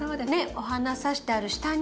お花さしてある下に。